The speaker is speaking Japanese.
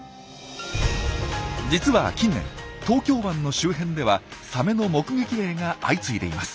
実は近年東京湾の周辺ではサメの目撃例が相次いでいます。